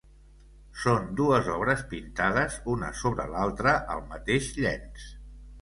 Són dues obres pintades una sobre l'altra al mateix llenç.